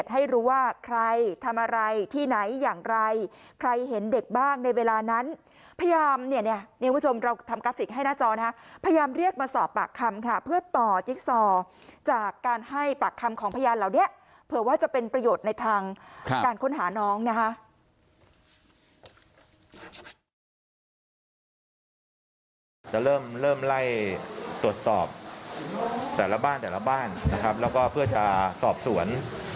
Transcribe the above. ให้รู้ว่าใครทำอะไรที่ไหนอย่างไรใครเห็นเด็กบ้างในเวลานั้นพยามเนี่ยเนี่ยเนี่ยผู้ชมเราทำกลับสิทธิ์ให้หน้าจอนะพยามเรียกมาสอบปากคำค่ะเพื่อต่อจิ๊กซอจากการให้ปากคำของพยานเราเนี่ยเผื่อว่าจะเป็นประโยชน์ในทางการค้นหาน้องนะฮะจะเริ่มเริ่มไล่ตรวจสอบแต่ละบ้านแต่ละบ้านนะครับแล้วก็เพื่อจะสอบสวน